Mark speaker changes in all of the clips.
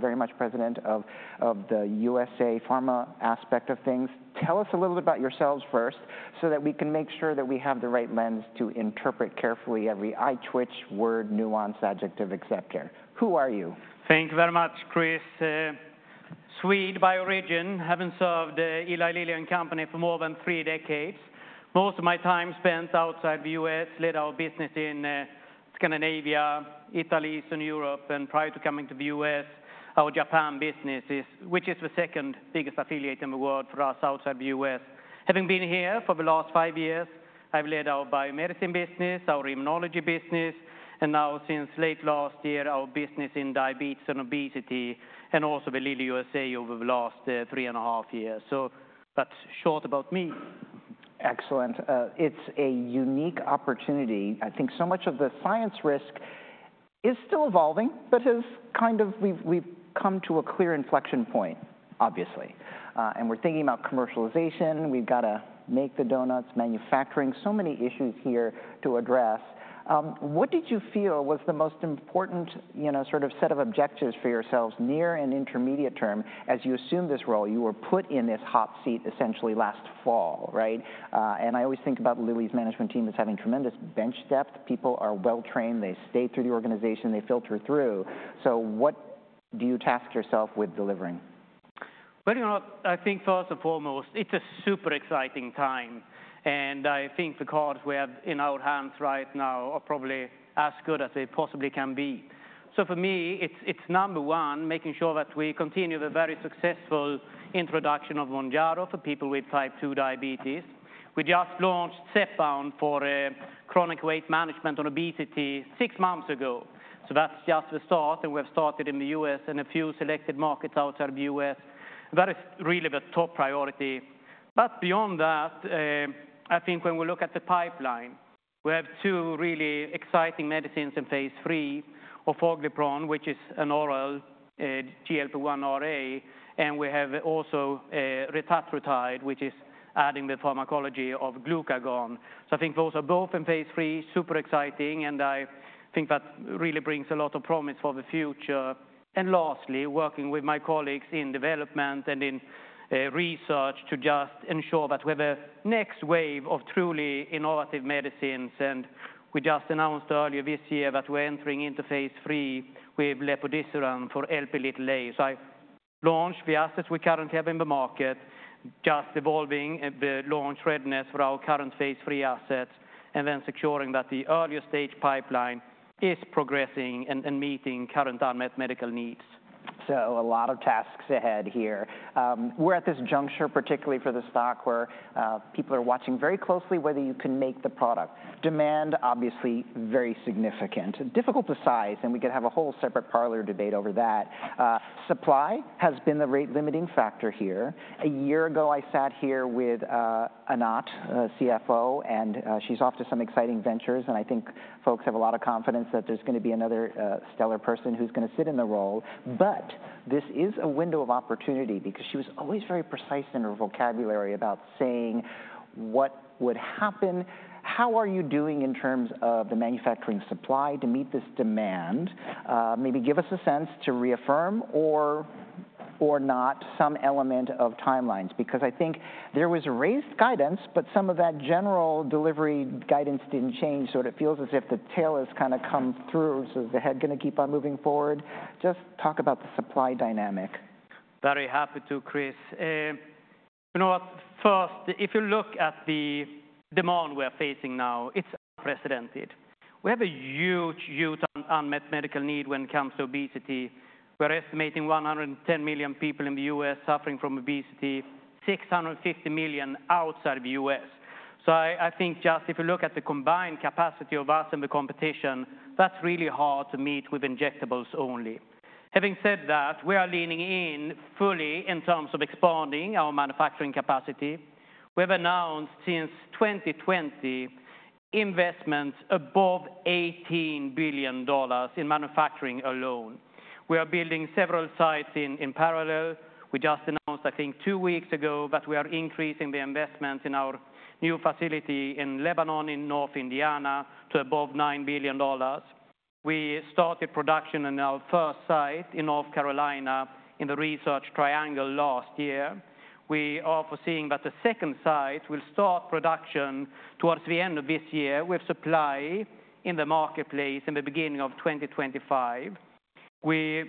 Speaker 1: Very much president of the USA pharma aspect of things. Tell us a little bit about yourselves first, so that we can make sure that we have the right lens to interpret carefully every eye twitch, word, nuance, adjective, et cetera. Who are you?
Speaker 2: Thank you very much, Chris. Swede by origin, having served Eli Lilly and Company for more than three decades. Most of my time spent outside the U.S. led our business in Scandinavia, Italy, and Europe, and prior to coming to the U.S., our Japan business, which is the second biggest affiliate in the world for us outside the U.S. Having been here for the last five years, I've led our biomedicine business, our immunology business, and now, since late last year, our business in diabetes and obesity, and also with Lilly USA over the last three and a half years. So that's short about me.
Speaker 1: Excellent. It's a unique opportunity. I think so much of the science risk is still evolving, but has kind of, we've come to a clear inflection point, obviously. And we're thinking about commercialization. We've got to make the donuts, manufacturing, so many issues here to address. What did you feel was the most important sort of set of objectives for yourselves near and intermediate term as you assume this role? You were put in this hot seat essentially last fall, right? And I always think about Lilly's management team as having tremendous bench depth. People are well trained. They stay through the organization. They filter through. So what do you task yourself with delivering?
Speaker 2: Well, you know, I think first and foremost, it's a super exciting time. And I think the cards we have in our hands right now are probably as good as they possibly can be. So for me, it's number one, making sure that we continue the very successful introduction of Mounjaro for people with type 2 diabetes. We just launched Zepbound for chronic weight management and obesity six months ago. So that's just the start. And we have started in the U.S. and a few selected markets outside the U.S. That is really the top priority. But beyond that, I think when we look at the pipeline, we have two really exciting medicines in phase III of orforglipron, which is an oral GLP-1 RA. And we have also retatrutide, which is adding the pharmacology of glucagon. So I think those are both in phase III, super exciting. I think that really brings a lot of promise for the future. Lastly, working with my colleagues in development and in research to just ensure that we have a next wave of truly innovative medicines. We just announced earlier this year that we're entering into phase III with lepodisiran for Lp(a) lowering. So I launched the assets we currently have in the market, just evolving the launch readiness for our current phase III assets, and then securing that the earlier stage pipeline is progressing and meeting current unmet medical needs.
Speaker 1: So a lot of tasks ahead here. We're at this juncture, particularly for the stock, where people are watching very closely whether you can make the product. Demand, obviously, very significant. Difficult to size, and we could have a whole separate parlor debate over that. Supply has been the rate limiting factor here. A year ago, I sat here with Anat, CFO, and she's off to some exciting ventures. I think folks have a lot of confidence that there's going to be another stellar person who's going to sit in the role. This is a window of opportunity because she was always very precise in her vocabulary about saying what would happen. How are you doing in terms of the manufacturing supply to meet this demand? Maybe give us a sense to reaffirm or not some element of timelines. Because I think there was raised guidance, but some of that general delivery guidance didn't change. So it feels as if the tail has kind of come through. So is the head going to keep on moving forward? Just talk about the supply dynamic.
Speaker 2: Very happy to, Chris. You know what? First, if you look at the demand we're facing now, it's unprecedented. We have a huge, huge unmet medical need when it comes to obesity. We're estimating 110 million people in the U.S. suffering from obesity, 650 million outside the U.S. So I think just if you look at the combined capacity of us and the competition, that's really hard to meet with injectables only. Having said that, we are leaning in fully in terms of expanding our manufacturing capacity. We have announced since 2020 investments above $18 billion in manufacturing alone. We are building several sites in parallel. We just announced, I think, two weeks ago that we are increasing the investments in our new facility in Lebanon, Indiana, to above $9 billion. We started production in our first site in the Research Triangle, North Carolina last year. We are foreseeing that the second site will start production towards the end of this year with supply in the marketplace in the beginning of 2025. We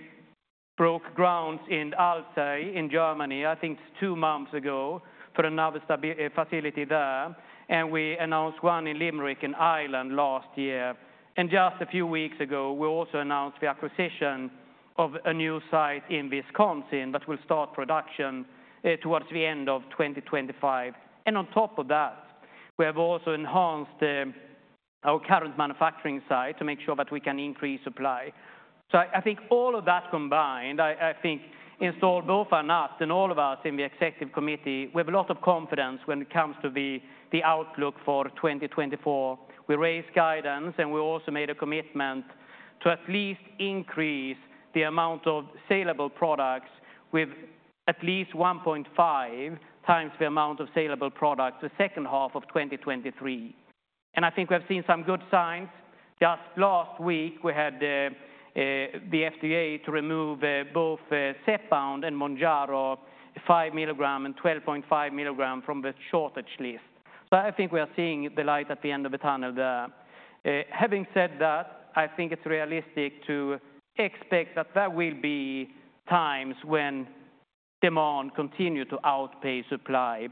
Speaker 2: broke ground in Alzey, Germany, I think it's two months ago, for another facility there. We announced one in Limerick, Ireland, last year. And just a few weeks ago, we also announced the acquisition of a new site in Wisconsin that will start production towards the end of 2025. And on top of that, we have also enhanced our current manufacturing site to make sure that we can increase supply. So I think all of that combined, I think, instilled both Anat and all of us in the executive committee, we have a lot of confidence when it comes to the outlook for 2024. We raised guidance, and we also made a commitment to at least increase the amount of saleable products with at least 1.5 times the amount of saleable products the second half of 2023. I think we have seen some good signs. Just last week, we had the FDA to remove both Zepbound and Mounjaro 5-milligram and 12.5-milligram from the shortage list. I think we are seeing the light at the end of the tunnel there. Having said that, I think it's realistic to expect that there will be times when demand continues to outpace supply.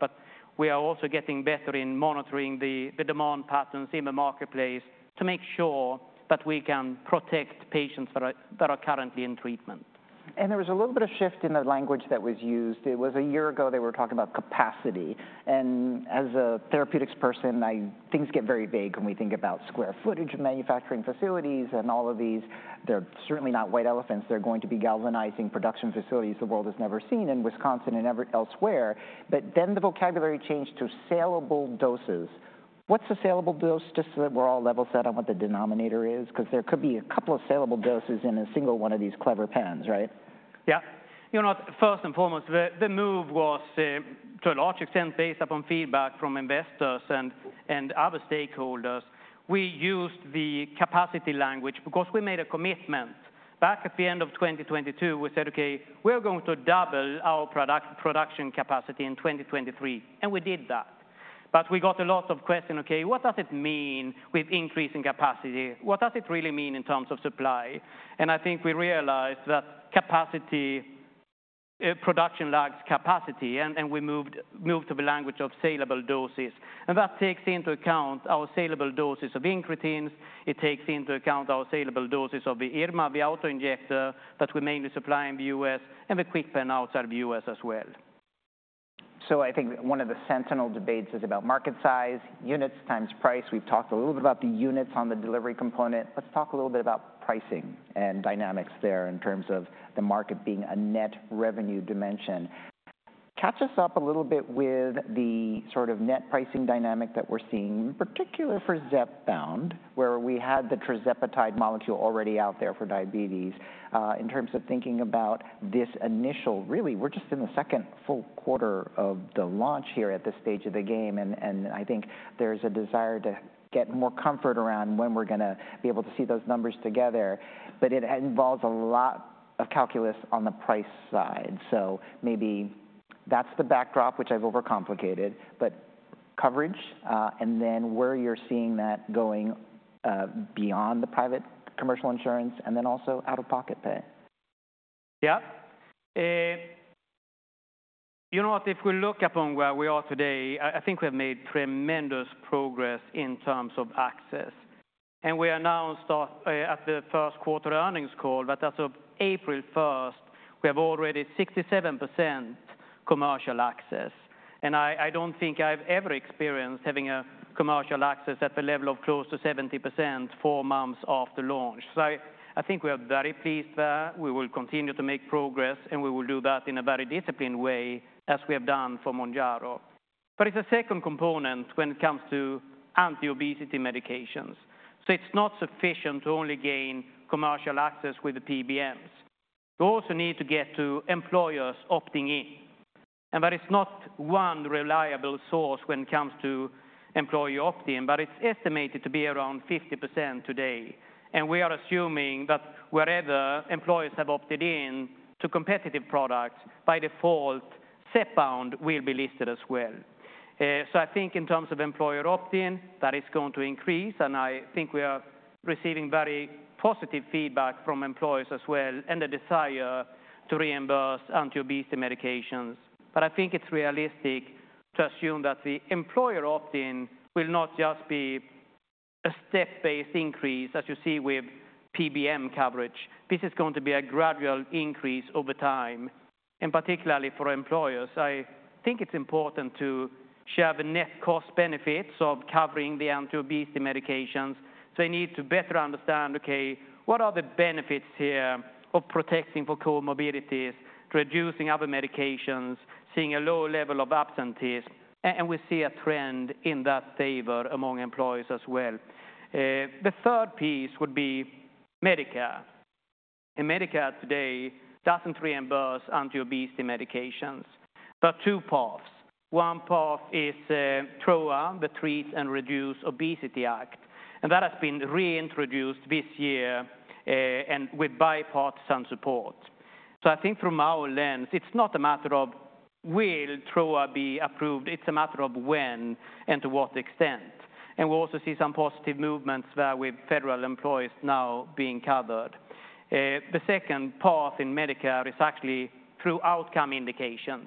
Speaker 2: We are also getting better in monitoring the demand patterns in the marketplace to make sure that we can protect patients that are currently in treatment.
Speaker 1: There was a little bit of shift in the language that was used. It was a year ago they were talking about capacity. As a therapeutics person, things get very vague when we think about square footage of manufacturing facilities and all of these. They're certainly not white elephants. They're going to be galvanizing production facilities the world has never seen in Wisconsin and elsewhere. But then the vocabulary changed to saleable doses. What's a saleable dose just so that we're all level set on what the denominator is? Because there could be a couple of saleable doses in a single one of these clever pens, right?
Speaker 2: Yeah. You know, first and foremost, the move was to a large extent based upon feedback from investors and other stakeholders. We used the capacity language because we made a commitment back at the end of 2022. We said, OK, we're going to double our production capacity in 2023. And we did that. But we got a lot of questions, OK, what does it mean with increasing capacity? What does it really mean in terms of supply? And I think we realized that capacity, production lags capacity. And we moved to the language of salable doses. And that takes into account our salable doses of incretins. It takes into account our salable doses of the pen, the auto injector that we mainly supply in the U.S., and the KwikPen outside the U.S. as well.
Speaker 1: I think one of the sentinel debates is about market size, units times price. We've talked a little bit about the units on the delivery component. Let's talk a little bit about pricing and dynamics there in terms of the market being a net revenue dimension. Catch us up a little bit with the sort of net pricing dynamic that we're seeing, in particular for Zepbound, where we had the tirzepatide molecule already out there for diabetes. In terms of thinking about this initial, really, we're just in the second full quarter of the launch here at this stage of the game. I think there's a desire to get more comfort around when we're going to be able to see those numbers together. It involves a lot of calculus on the price side. Maybe that's the backdrop, which I've overcomplicated. Coverage, and then where you're seeing that going beyond the private commercial insurance, and then also out-of-pocket pay.
Speaker 2: Yeah. You know what? If we look upon where we are today, I think we have made tremendous progress in terms of access. And we announced at the first quarter earnings call that as of April 1st, we have already 67% commercial access. And I don't think I've ever experienced having a commercial access at the level of close to 70% four months after launch. So I think we are very pleased there. We will continue to make progress. And we will do that in a very disciplined way, as we have done for Mounjaro. But it's a second component when it comes to anti-obesity medications. So it's not sufficient to only gain commercial access with the PBMs. You also need to get to employers opting in. And there is not one reliable source when it comes to employer opt-in, but it's estimated to be around 50% today. We are assuming that wherever employers have opted in to competitive products, by default, Zepbound will be listed as well. So I think in terms of employer opt-in, that is going to increase. And I think we are receiving very positive feedback from employers as well and the desire to reimburse anti-obesity medications. But I think it's realistic to assume that the employer opt-in will not just be a step-based increase, as you see with PBM coverage. This is going to be a gradual increase over time, and particularly for employers. I think it's important to share the net cost benefits of covering the anti-obesity medications. So we need to better understand, OK, what are the benefits here of protecting for comorbidities, reducing other medications, seeing a low level of absenteeism. And we see a trend in that favor among employers as well. The third piece would be Medicare. Medicare today doesn't reimburse anti-obesity medications. There are two paths. One path is TROA, the Treat and Reduce Obesity Act. That has been reintroduced this year and with bipartisan support. So I think from our lens, it's not a matter of will TROA be approved. It's a matter of when and to what extent. We also see some positive movements there with federal employees now being covered. The second path in Medicare is actually through outcome indications.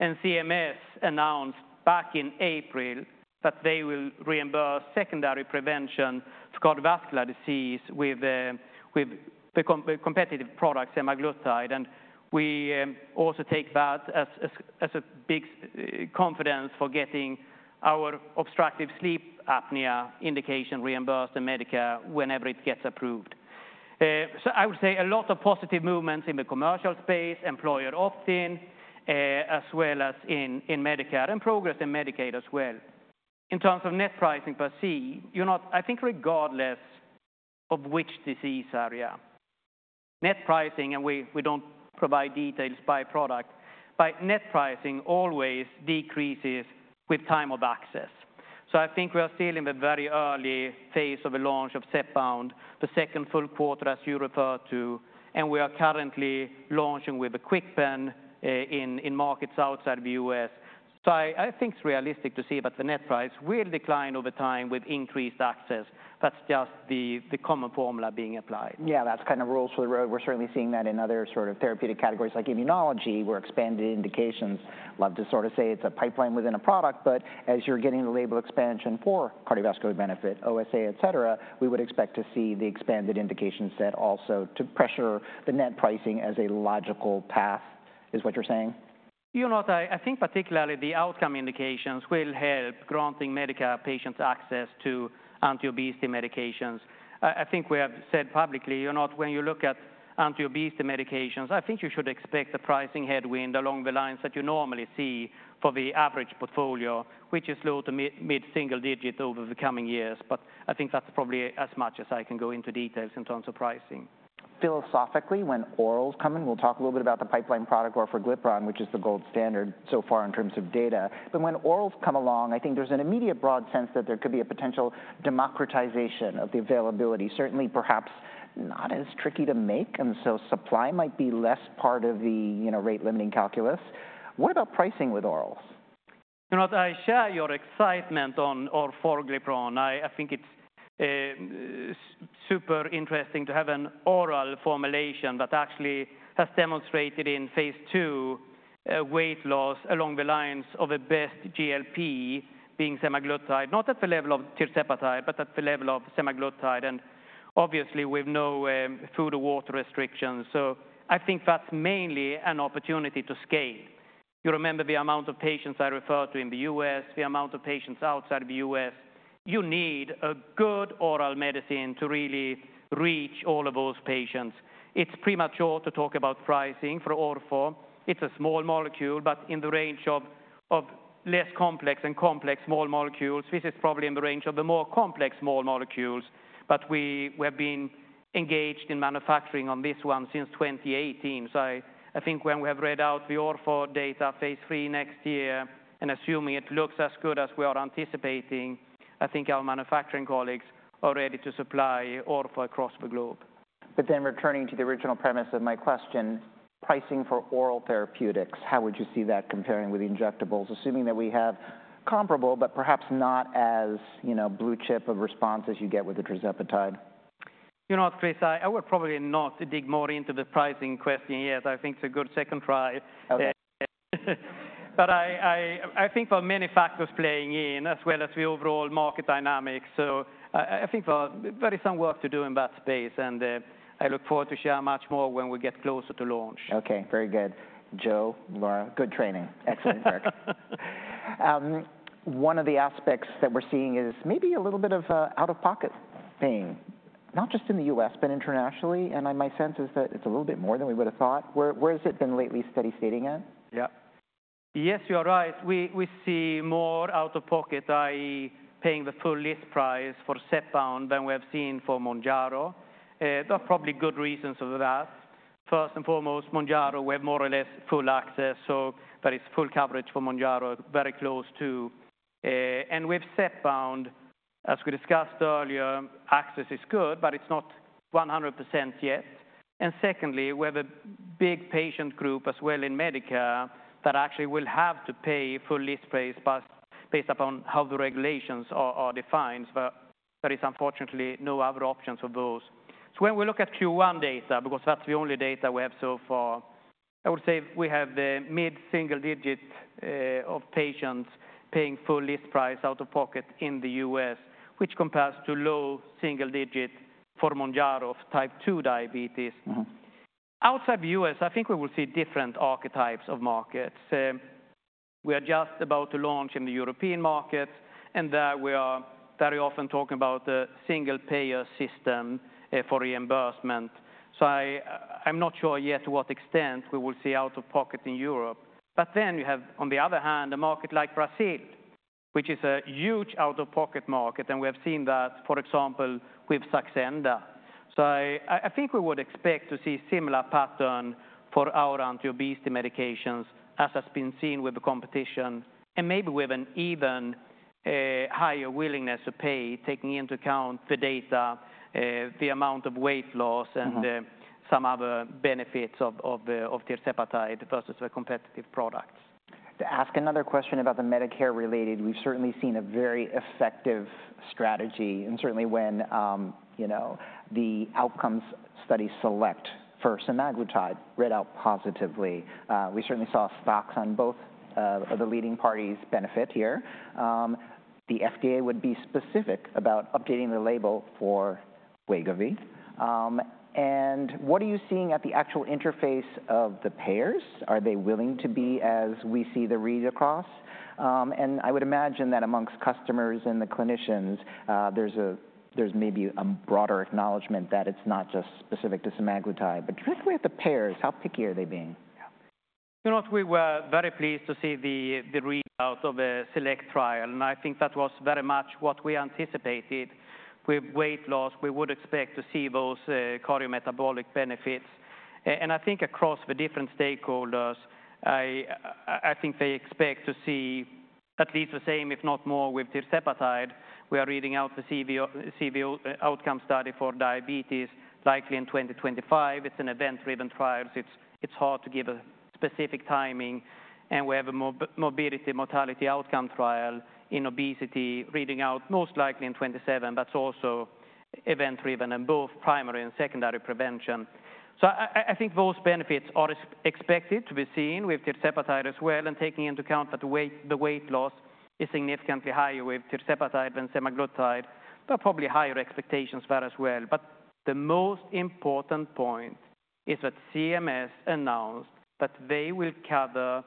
Speaker 2: CMS announced back in April that they will reimburse secondary prevention of cardiovascular disease with competitive products, semaglutide. We also take that as a big confidence for getting our obstructive sleep apnea indication reimbursed in Medicare whenever it gets approved. So I would say a lot of positive movements in the commercial space, employer opt-in, as well as in Medicare and progress in Medicaid as well. In terms of net pricing per se, you know, I think regardless of which disease area, net pricing, and we don't provide details by product, but net pricing always decreases with time of access. So I think we are still in the very early phase of the launch of Zepbound, the second full quarter, as you referred to. We are currently launching with the KwikPen in markets outside the U.S. So I think it's realistic to see that the net price will decline over time with increased access. That's just the common formula being applied.
Speaker 1: Yeah, that's kind of rules for the road. We're certainly seeing that in other sort of therapeutic categories like immunology. We're expanded indications. Love to sort of say it's a pipeline within a product. But as you're getting the label expansion for cardiovascular benefit, OSA, et cetera, we would expect to see the expanded indication set also to pressure the net pricing as a logical path, is what you're saying?
Speaker 2: You know what? I think particularly the outcome indications will help granting Medicare patients access to anti-obesity medications. I think we have said publicly, you know, when you look at anti-obesity medications, I think you should expect a pricing headwind along the lines that you normally see for the average portfolio, which is low- to mid-single-digit over the coming years. But I think that's probably as much as I can go into details in terms of pricing.
Speaker 1: Philosophically, when orals come in, we'll talk a little bit about the pipeline product orforglipron, which is the gold standard so far in terms of data. But when orals come along, I think there's an immediate broad sense that there could be a potential democratization of the availability, certainly perhaps not as tricky to make. And so supply might be less part of the rate limiting calculus. What about pricing with orals?
Speaker 2: You know, I share your excitement on oral orforglipron. I think it's super interesting to have an oral formulation that actually has demonstrated in phase II weight loss along the lines of a best GLP being semaglutide, not at the level of tirzepatide, but at the level of semaglutide. And obviously, with no food or water restrictions. So I think that's mainly an opportunity to scale. You remember the amount of patients I referred to in the U.S., the amount of patients outside the U.S. You need a good oral medicine to really reach all of those patients. It's premature to talk about pricing for orforglipron. It's a small molecule, but in the range of less complex and complex small molecules. This is probably in the range of the more complex small molecules. But we have been engaged in manufacturing on this one since 2018. So I think when we have read out the orforglipron data phase III next year, and assuming it looks as good as we are anticipating, I think our manufacturing colleagues are ready to supply orforglipron across the globe.
Speaker 1: But then returning to the original premise of my question, pricing for oral therapeutics, how would you see that comparing with injectables, assuming that we have comparable but perhaps not as blue chip of response as you get with the tirzepatide?
Speaker 2: You know what, Chris, I would probably not dig more into the pricing question yet. I think it's a good second try. But I think there are many factors playing in, as well as the overall market dynamics. So I think there is some work to do in that space. And I look forward to share much more when we get closer to launch.
Speaker 1: OK, very good. Joe, Laura, good training. Excellent work. One of the aspects that we're seeing is maybe a little bit of out-of-pocket paying, not just in the U.S., but internationally. And my sense is that it's a little bit more than we would have thought. Where has it been lately steady stating at?
Speaker 2: Yeah. Yes, you're right. We see more out-of-pocket, i.e., paying the full list price for Zepbound than we have seen for Mounjaro. There are probably good reasons for that. First and foremost, Mounjaro, we have more or less full access. So there is full coverage for Mounjaro, very close to. And with Zepbound, as we discussed earlier, access is good, but it's not 100% yet. And secondly, we have a big patient group as well in Medicare that actually will have to pay full list price based upon how the regulations are defined. But there is unfortunately no other options for those. When we look at Q1 data, because that's the only data we have so far, I would say we have the mid-single-digit of patients paying full list price out of pocket in the U.S., which compares to low-single-digit for Mounjaro of type 2 diabetes. Outside the U.S., I think we will see different archetypes of markets. We are just about to launch in the European markets. There we are very often talking about the single payer system for reimbursement. So I'm not sure yet to what extent we will see out-of-pocket in Europe. Then you have, on the other hand, a market like Brazil, which is a huge out-of-pocket market. We have seen that, for example, with Saxenda. So I think we would expect to see a similar pattern for our anti-obesity medications, as has been seen with the competition. Maybe we have an even higher willingness to pay, taking into account the data, the amount of weight loss, and some other benefits of tirzepatide versus the competitive products.
Speaker 1: To ask another question about the Medicare-related, we've certainly seen a very effective strategy. Certainly when the outcomes study SELECT for semaglutide read out positively, we certainly saw stocks of both of the leading parties benefit here. The FDA was specific about updating the label for Wegovy. And what are you seeing at the actual interface of the payers? Are they willing to be as we see the read across? And I would imagine that amongst customers and the clinicians, there's maybe a broader acknowledgment that it's not just specific to semaglutide. But particularly at the payers, how picky are they being?
Speaker 2: You know what? We were very pleased to see the readout of the SELECT trial. I think that was very much what we anticipated. With weight loss, we would expect to see those cardiometabolic benefits. I think across the different stakeholders, I think they expect to see at least the same, if not more, with tirzepatide. We are reading out the CV outcome study for diabetes, likely in 2025. It's an event-driven trial. So it's hard to give a specific timing. We have a morbidity mortality outcome trial in obesity, reading out most likely in 2027. That's also event-driven in both primary and secondary prevention. So I think those benefits are expected to be seen with tirzepatide as well. Taking into account that the weight loss is significantly higher with tirzepatide than semaglutide, there are probably higher expectations there as well. The most important point is that CMS announced that they will cover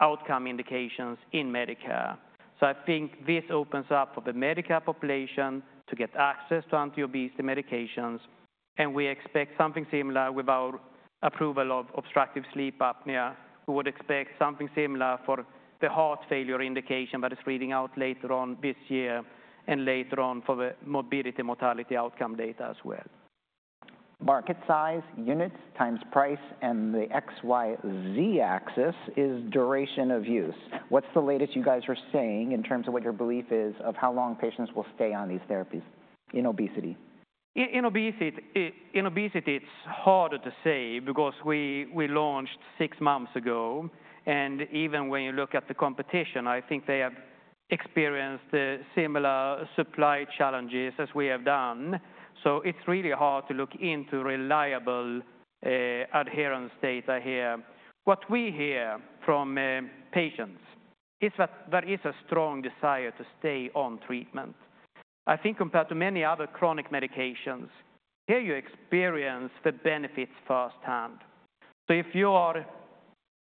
Speaker 2: outcome indications in Medicare. I think this opens up for the Medicare population to get access to anti-obesity medications. We expect something similar with our approval of obstructive sleep apnea. We would expect something similar for the heart failure indication that is reading out later on this year and later on for the mobility mortality outcome data as well.
Speaker 1: Market size, units times price, and the XYZ axis is duration of use. What's the latest you guys are saying in terms of what your belief is of how long patients will stay on these therapies in obesity?
Speaker 2: In obesity, it's harder to say because we launched six months ago. Even when you look at the competition, I think they have experienced similar supply challenges as we have done. It's really hard to look into reliable adherence data here. What we hear from patients is that there is a strong desire to stay on treatment. I think compared to many other chronic medications, here you experience the benefits firsthand. If you are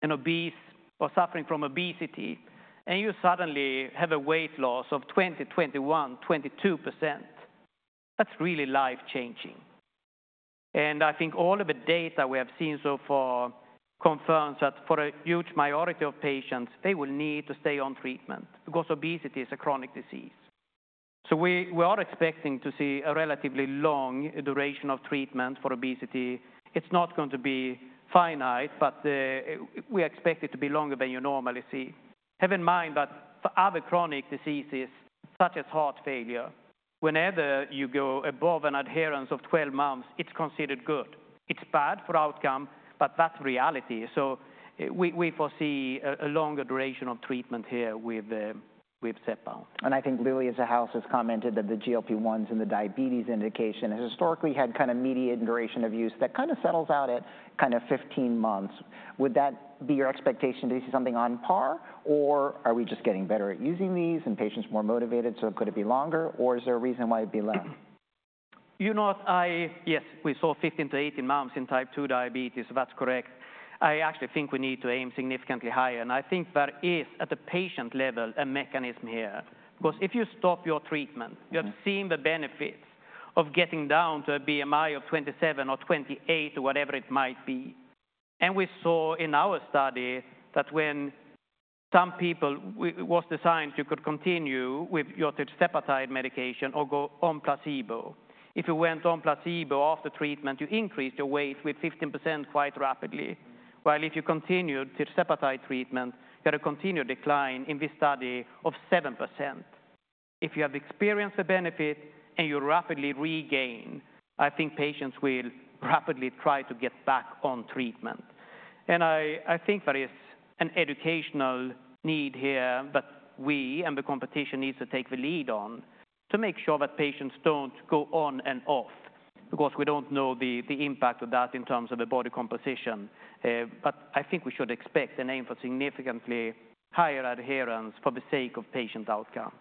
Speaker 2: an obese or suffering from obesity, and you suddenly have a weight loss of 20%, 21%, 22%, that's really life-changing. I think all of the data we have seen so far confirms that for a huge majority of patients, they will need to stay on treatment because obesity is a chronic disease. We are expecting to see a relatively long duration of treatment for obesity. It's not going to be finite, but we expect it to be longer than you normally see. Have in mind that for other chronic diseases, such as heart failure, whenever you go above an adherence of 12 months, it's considered good. It's bad for outcome, but that's reality. So we foresee a longer duration of treatment here with Zepbound.
Speaker 1: I think Lilly as a house has commented that the GLP-1s in the diabetes indication has historically had kind of median duration of use that kind of settles out at kind of 15 months. Would that be your expectation to see something on par? Or are we just getting better at using these and patients more motivated, so could it be longer? Or is there a reason why it'd be less?
Speaker 2: You know what? Yes, we saw 15-18 months in type 2 diabetes. That's correct. I actually think we need to aim significantly higher. And I think there is, at the patient level, a mechanism here. Because if you stop your treatment, you have seen the benefits of getting down to a BMI of 27 or 28 or whatever it might be. And we saw in our study that when some people was designed you could continue with your tirzepatide medication or go on placebo. If you went on placebo after treatment, you increased your weight with 15% quite rapidly. While if you continued tirzepatide treatment, you had a continued decline in this study of 7%. If you have experienced the benefit and you rapidly regain, I think patients will rapidly try to get back on treatment. I think there is an educational need here that we and the competition need to take the lead on to make sure that patients don't go on and off. Because we don't know the impact of that in terms of the body composition. But I think we should expect an aim for significantly higher adherence for the sake of patient outcome.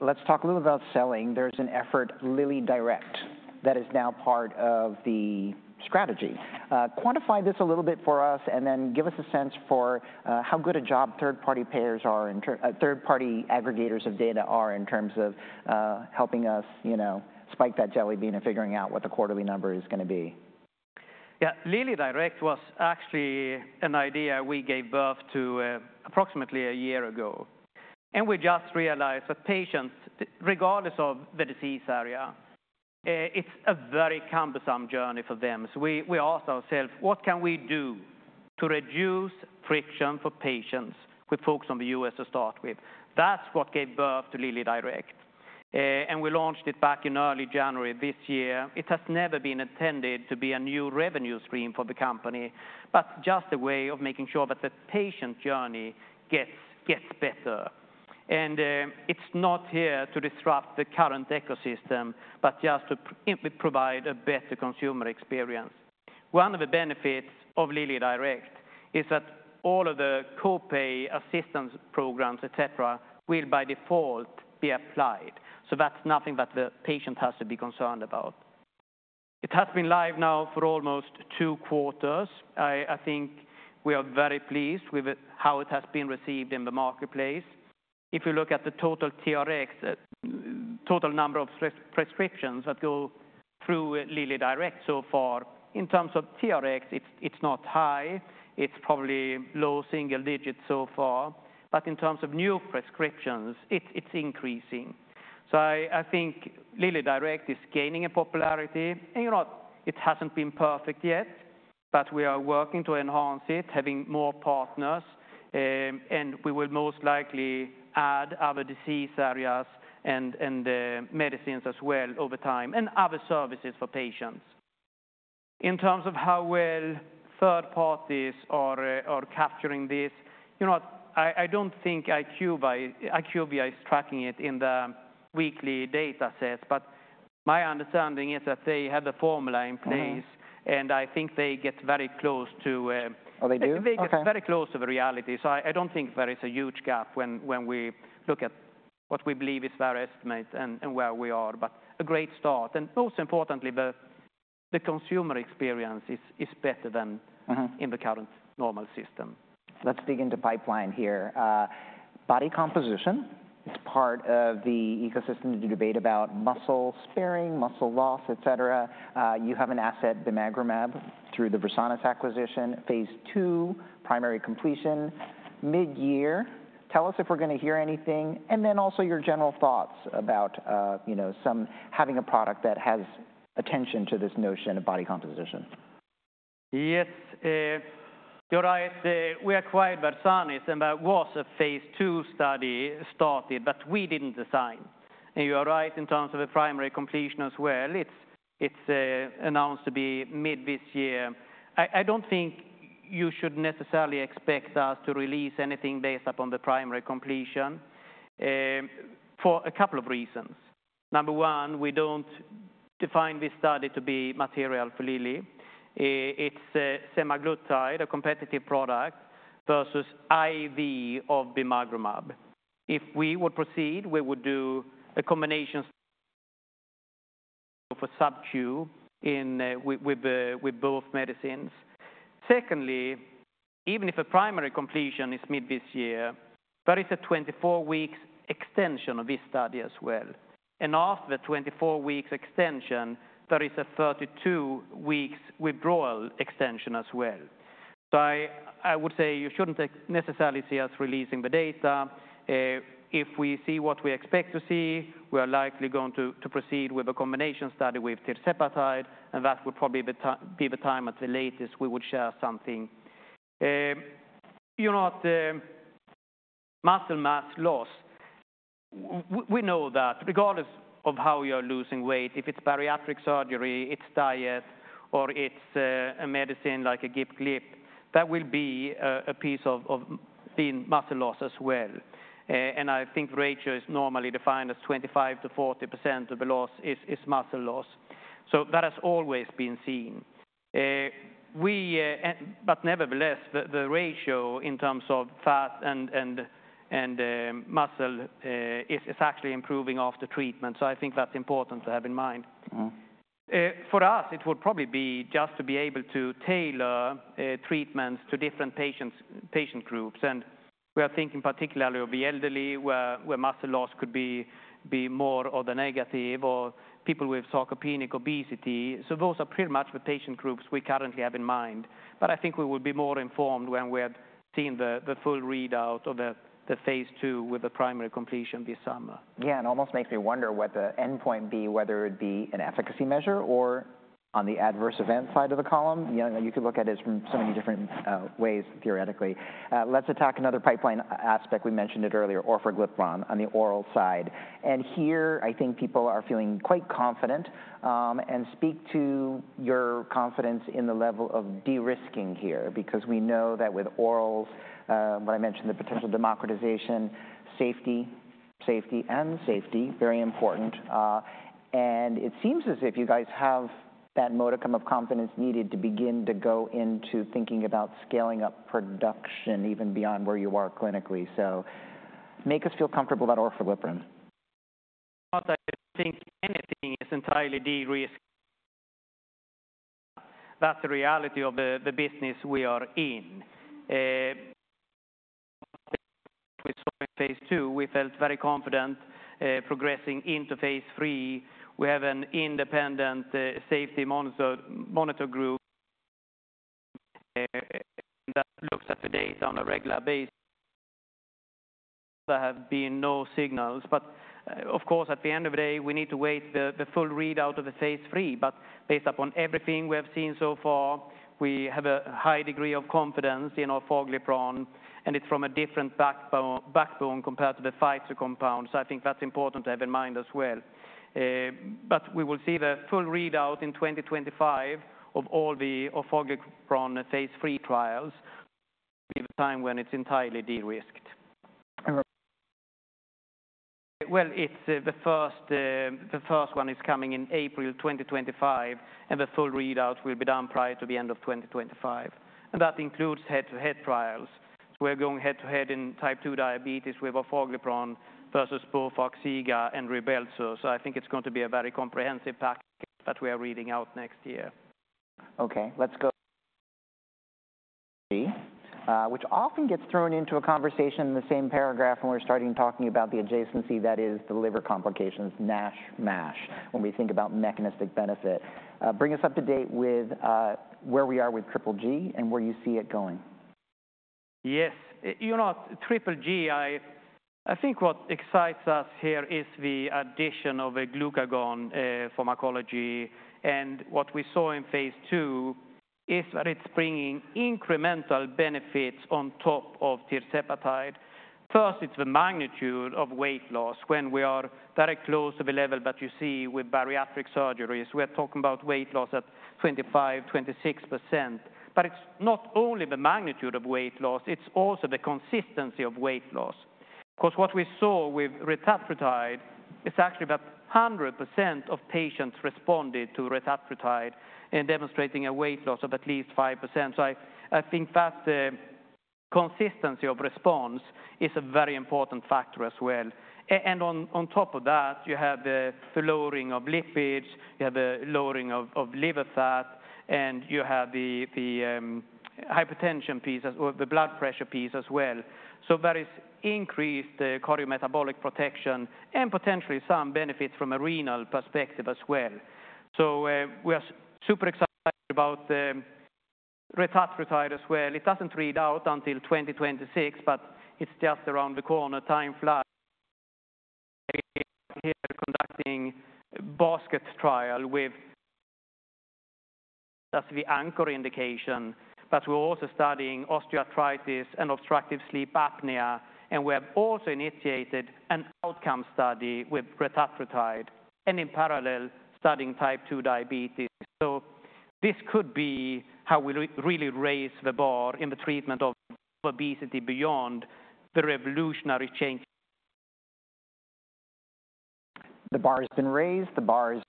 Speaker 1: Let's talk a little about selling. There's an effort, LillyDirect, that is now part of the strategy. Quantify this a little bit for us, and then give us a sense for how good a job third-party payers are, third-party aggregators of data are in terms of helping us spike that jelly bean and figuring out what the quarterly number is going to be.
Speaker 2: Yeah, LillyDirect was actually an idea we gave birth to approximately a year ago. We just realized that patients, regardless of the disease area, it's a very cumbersome journey for them. We asked ourselves, what can we do to reduce friction for patients with folks in the U.S. to start with? That's what gave birth to LillyDirect. We launched it back in early January this year. It has never been intended to be a new revenue stream for the company, but just a way of making sure that the patient journey gets better. It's not here to disrupt the current ecosystem, but just to provide a better consumer experience. One of the benefits of LillyDirect is that all of the copay assistance programs, et cetera, will by default be applied. That's nothing that the patient has to be concerned about. It has been live now for almost two quarters. I think we are very pleased with how it has been received in the marketplace. If you look at the total TRx, total number of prescriptions that go through LillyDirect so far, in terms of TRx, it's not high. It's probably low single digit so far. But in terms of new prescriptions, it's increasing. So I think LillyDirect is gaining in popularity. And you know what? It hasn't been perfect yet, but we are working to enhance it, having more partners. And we will most likely add other disease areas and medicines as well over time and other services for patients. In terms of how well third parties are capturing this, you know what? I don't think IQVIA is tracking it in the weekly data sets. But my understanding is that they have the formula in place. I think they get very close to.
Speaker 1: Oh, they do?
Speaker 2: They get very close to the reality. So I don't think there is a huge gap when we look at what we believe is fair estimate and where we are. But a great start. And most importantly, the consumer experience is better than in the current normal system.
Speaker 1: Let's dig into pipeline here. Body composition is part of the ecosystem to debate about muscle sparing, muscle loss, et cetera. You have an asset, bimagrumab, through the Versanis acquisition, phase II, primary completion, mid-year. Tell us if we're going to hear anything. And then also your general thoughts about having a product that has attention to this notion of body composition.
Speaker 2: Yes, you're right. We acquired Versanis, and there was a phase II study started, but we didn't design. And you're right in terms of the primary completion as well. It's announced to be mid this year. I don't think you should necessarily expect us to release anything based upon the primary completion for a couple of reasons. Number one, we don't define this study to be material for Lilly. It's semaglutide, a competitive product, versus IV of bimagrumab. If we would proceed, we would do a combination for subQ with both medicines. Secondly, even if a primary completion is mid this year, there is a 24-week extension of this study as well. And after the 24-week extension, there is a 32-week withdrawal extension as well. So I would say you shouldn't necessarily see us releasing the data. If we see what we expect to see, we are likely going to proceed with a combination study with tirzepatide. That would probably be the time at the latest we would share something. You know what? Muscle mass loss, we know that regardless of how you're losing weight, if it's bariatric surgery, it's diet, or it's a medicine like a GLP-1, there will be a piece of muscle loss as well. I think ratio is normally defined as 25%-40% of the loss is muscle loss. So that has always been seen. But nevertheless, the ratio in terms of fat and muscle is actually improving after treatment. So I think that's important to have in mind. For us, it would probably be just to be able to tailor treatments to different patient groups. We are thinking particularly of the elderly, where muscle loss could be more of the negative, or people with sarcopenic obesity. Those are pretty much the patient groups we currently have in mind. I think we will be more informed when we have seen the full readout of the phase II with the primary completion this summer.
Speaker 1: Yeah, and almost makes me wonder what the endpoint be, whether it be an efficacy measure or on the adverse event side of the column. You could look at it from so many different ways theoretically. Let's attack another pipeline aspect. We mentioned it earlier, orforglipron on the oral side. And here, I think people are feeling quite confident. And speak to your confidence in the level of de-risking here. Because we know that with orals, what I mentioned, the potential democratization, safety, safety, and safety, very important. And it seems as if you guys have that modicum of confidence needed to begin to go into thinking about scaling up production even beyond where you are clinically. So make us feel comfortable about orforglipron.
Speaker 2: I don't think anything is entirely de-risked. That's the reality of the business we are in. We saw in phase II, we felt very confident progressing into phase III. We have an independent safety monitor group that looks at the data on a regular basis. There have been no signals. But of course, at the end of the day, we need to wait the full readout of the phase III. But based upon everything we have seen so far, we have a high degree of confidence in orforglipron. And it's from a different backbone compared to the Pfizer compound. So I think that's important to have in mind as well. But we will see the full readout in 2025 of all the orforglipron phase III trials at the time when it's entirely de-risked. Well, the first one is coming in April 2025. The full readout will be done prior to the end of 2025. That includes head-to-head trials. We're going head-to-head in type 2 diabetes with orforglipron versus Boehringer Ingelheim and Rybelsus. I think it's going to be a very comprehensive pack that we are reading out next year.
Speaker 1: OK, let's go to G, which often gets thrown into a conversation in the same paragraph when we're starting talking about the adjacency that is the liver complications, NASH, MASH, when we think about mechanistic benefit. Bring us up to date with where we are with GGG and where you see it going.
Speaker 2: Yes, you know what? GGG, I think what excites us here is the addition of a glucagon pharmacology. And what we saw in phase II is that it's bringing incremental benefits on top of tirzepatide. First, it's the magnitude of weight loss when we are very close to the level that you see with bariatric surgeries. We're talking about weight loss at 25%, 26%. But it's not only the magnitude of weight loss. It's also the consistency of weight loss. Because what we saw with retatrutide is actually that 100% of patients responded to retatrutide and demonstrating a weight loss of at least 5%. So I think that the consistency of response is a very important factor as well. And on top of that, you have the lowering of lipids. You have a lowering of liver fat. And you have the hypertension piece or the blood pressure piece as well. So there is increased cardiometabolic protection and potentially some benefits from a renal perspective as well. We are super excited about the retatrutide as well. It doesn't read out until 2026, but it's just around the corner. Time flies. We are conducting a basket trial with, that's the anchor indication. But we're also studying osteoarthritis and obstructive sleep apnea. We have also initiated an outcome study with retatrutide and in parallel studying type 2 diabetes. This could be how we really raise the bar in the treatment of obesity beyond the revolutionary change.
Speaker 1: The bar has been raised. The bar has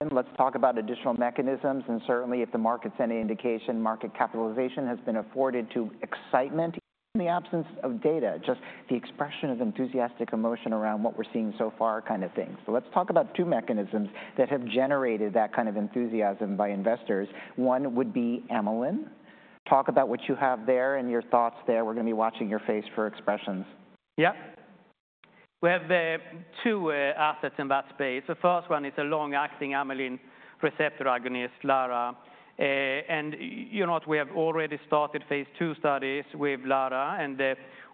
Speaker 1: risen. Let's talk about additional mechanisms. And certainly, if the market's any indication, market capitalization has been afforded to excitement in the absence of data, just the expression of enthusiastic emotion around what we're seeing so far kind of thing. So let's talk about two mechanisms that have generated that kind of enthusiasm by investors. One would be amylin. Talk about what you have there and your thoughts there. We're going to be watching your face for expressions.
Speaker 2: Yeah, we have two assets in that space. The first one is a long-acting amylin receptor agonist, LARA. And you know what? We have already started phase II studies with LARA. And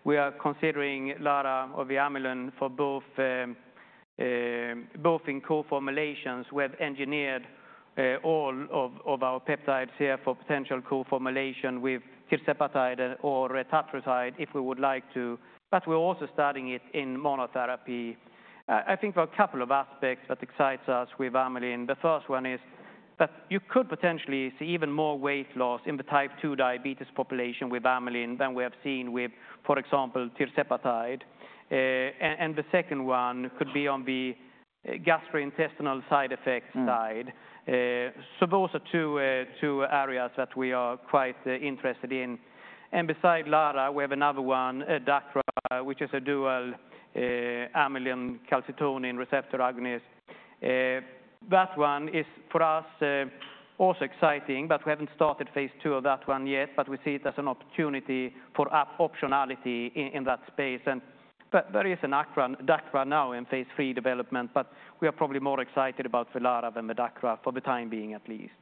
Speaker 2: we are considering LARA or the amylin for both in co-formulations. We have engineered all of our peptides here for potential co-formulation with tirzepatide or retatrutide if we would like to. But we're also studying it in monotherapy. I think there are a couple of aspects that excite us with amylin. The first one is that you could potentially see even more weight loss in the type 2 diabetes population with amylin than we have seen with, for example, tirzepatide. And the second one could be on the gastrointestinal side effects side. So those are two areas that we are quite interested in. Beside LARA, we have another one, DACRA, which is a dual amylin calcitonin receptor agonist. That one is, for us, also exciting. But we haven't started phase II of that one yet. But we see it as an opportunity for optionality in that space. And there is a DACRA now in phase II development. But we are probably more excited about the LARA than the DACRA for the time being, at least.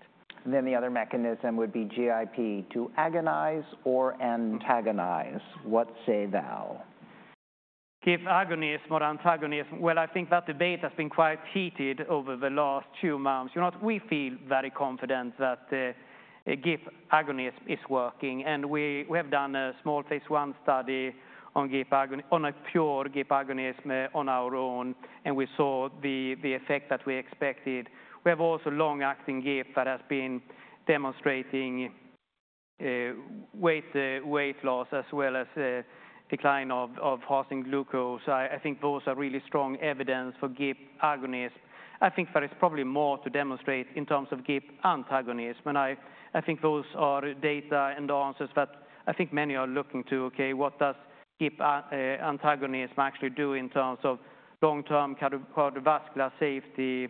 Speaker 1: Then the other mechanism would be GIP to agonize or antagonize. What say thou?
Speaker 2: GIP agonism or antagonism? Well, I think that debate has been quite heated over the last two months. You know what? We feel very confident that GIP agonism is working. And we have done a small phase I study on pure GIP agonism on our own. And we saw the effect that we expected. We have also long-acting GIP that has been demonstrating weight loss as well as decline of fasting glucose. I think those are really strong evidence for GIP agonism. I think there is probably more to demonstrate in terms of GIP antagonism. And I think those are data and answers that I think many are looking to, OK, what does GIP antagonism actually do in terms of long-term cardiovascular safety,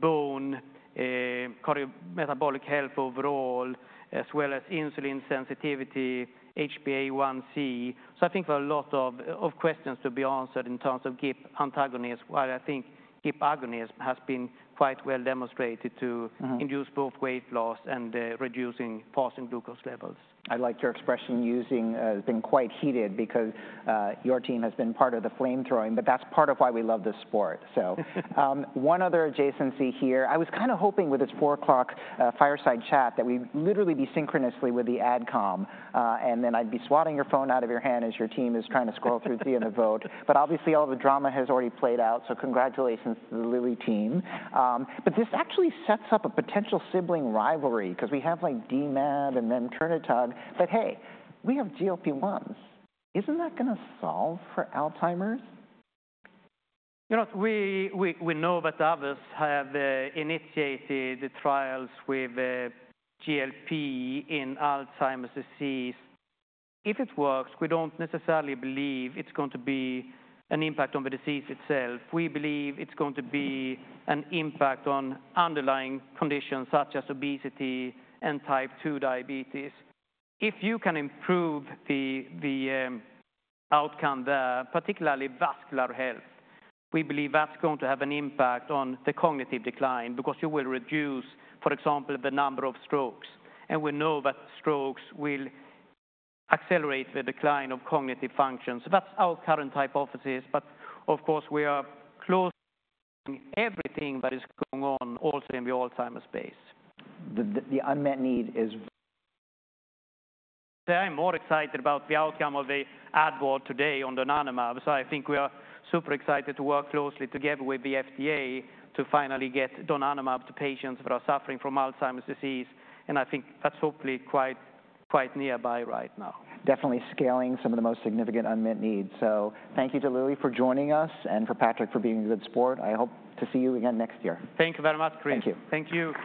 Speaker 2: bone, cardiometabolic health overall, as well as insulin sensitivity, HbA1c. I think there are a lot of questions to be answered in terms of GIP antagonism, while I think GIP agonism has been quite well demonstrated to induce both weight loss and reducing fasting glucose levels.
Speaker 1: I like your expression using has been quite heated because your team has been part of the flamethrowing. That's part of why we love this sport. One other adjacency here. I was kind of hoping with this 4 o'clock fireside chat that we'd literally be synchronously with the AdCom. I'd be swatting your phone out of your hand as your team is trying to scroll through to you in a vote. Obviously, all the drama has already played out. Congratulations to the Lilly team. This actually sets up a potential sibling rivalry because we have like donanemab and then Remternetug. Hey, we have GLP-1s. Isn't that going to solve for Alzheimer's?
Speaker 2: You know what? We know that others have initiated the trials with GLP in Alzheimer's disease. If it works, we don't necessarily believe it's going to be an impact on the disease itself. We believe it's going to be an impact on underlying conditions such as obesity and type 2 diabetes. If you can improve the outcome there, particularly vascular health, we believe that's going to have an impact on the cognitive decline because you will reduce, for example, the number of strokes. And we know that strokes will accelerate the decline of cognitive functions. That's our current hypothesis. But of course, we are closely following everything that is going on also in the Alzheimer's space.
Speaker 1: The unmet need is.
Speaker 2: I'm more excited about the outcome of the ad board today on donanemab. So I think we are super excited to work closely together with the FDA to finally get donanemab to patients that are suffering from Alzheimer's disease. And I think that's hopefully quite nearby right now.
Speaker 1: Definitely scaling some of the most significant unmet needs. Thank you to Lilly for joining us and for Patrik for being a good sport. I hope to see you again next year.
Speaker 2: Thank you very much, Chris.
Speaker 1: Thank you.
Speaker 2: Thank you.